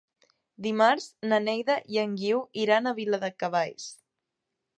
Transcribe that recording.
Dimarts na Neida i en Guiu iran a Viladecavalls.